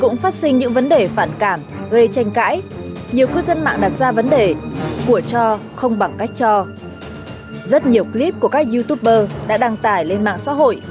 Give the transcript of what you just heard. rất nhiều clip của các youtuber đã đăng tải lên mạng xã hội